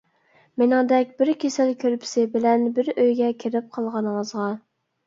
-مېنىڭدەك بىر كېسەل كۆرپىسى بىلەن بىر ئۆيگە كىرىپ قالغىنىڭىزغا.